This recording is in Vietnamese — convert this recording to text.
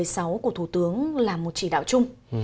cũng của thủ tướng là một chỉ đạo chung